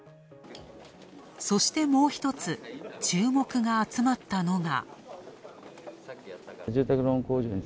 そしてもう一つ、注目が集まったのが。